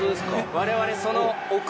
我々。